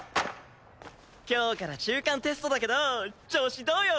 今日から中間テストだけど調子どうよ？